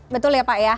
betul ya pak ya